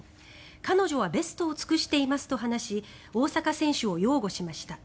彼女はベストを尽くしていますと話し大坂選手を擁護しました。